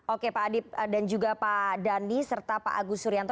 oke pak adip dan juga pak dhani serta pak agus suryanto